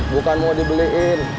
bukan mau dibeliin